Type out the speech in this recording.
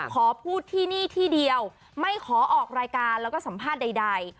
ขอพูดที่นี่ที่เดียวไม่ขอออกรายการแล้วก็สัมภาษณ์ใด